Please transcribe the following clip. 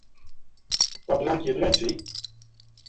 Wat drankje drinkt sy?